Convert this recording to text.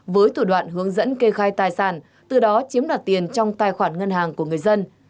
với thủ đoạn hướng dẫn kê khai tài sản từ đó chiếm đoạt tiền trong tài khoản ngân hàng của người dân